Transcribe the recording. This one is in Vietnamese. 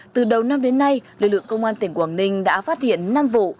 từ đầu năm đến nay lực lượng công an tỉnh quảng ninh đã phát hiện năm vụ